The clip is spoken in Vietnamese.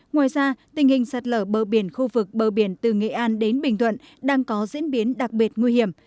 ngoài ra tình hình sạt lở bờ biển khu vực bờ biển từ nghệ an đến bình thuận đang có diễn biến đặc biệt nguy hiểm